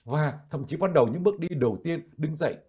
và thậm chí bắt đầu những bước đi đầu tiên đứng dậy